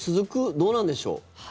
どうなんでしょう？